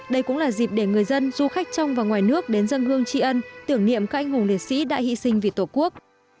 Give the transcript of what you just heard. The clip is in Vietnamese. đây cũng là dịp để người dân du khách trong và ngoài nước đến dân hương tri ân tưởng niệm các anh hùng liệt sĩ đã hy sinh vì tổ quốc